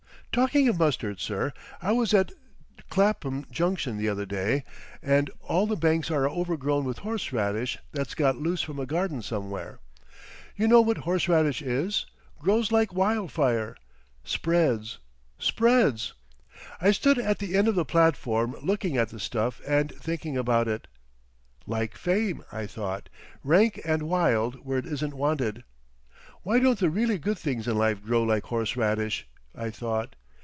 Talking of mustard, sir, I was at Clapham Junction the other day, and all the banks are overgrown with horse radish that's got loose from a garden somewhere. You know what horseradish is—grows like wildfire—spreads—spreads. I stood at the end of the platform looking at the stuff and thinking about it. 'Like fame,' I thought, 'rank and wild where it isn't wanted. Why don't the really good things in life grow like horseradish?' I thought.